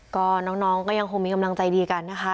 ก็น้องก็ยังคงมีกำลังใจดีกันนะคะ